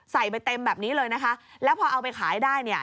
ไปเต็มแบบนี้เลยนะคะแล้วพอเอาไปขายได้เนี่ย